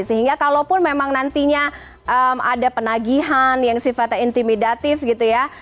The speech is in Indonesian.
sehingga kalaupun memang nantinya ada penagihan yang sifatnya intimidatif gitu ya